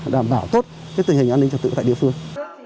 đảm bảo tốt tình hình an ninh trật tự tại địa phương